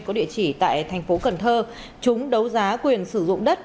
có địa chỉ tại thành phố cần thơ chúng đấu giá quyền sử dụng đất